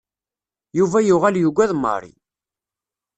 Yuba yuɣal yugad Mary.